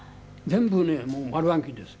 全部ねもう丸暗記です。